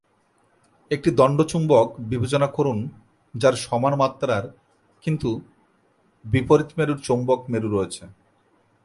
একটি দণ্ড চুম্বক বিবেচনা করুন যার সমান মাত্রার কিন্তু বিপরীত মেরুর চৌম্বক মেরু রয়েছে।